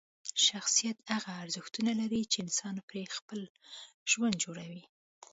شخصیت هغه ارزښتونه لري چې انسان پرې خپل ژوند جوړوي.